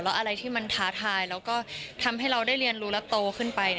อะไรที่มันท้าทายแล้วก็ทำให้เราได้เรียนรู้และโตขึ้นไป